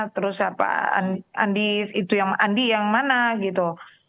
terus andi yang mana gitu